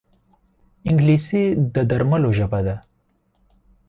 انګلیسي د درملو ژبه ده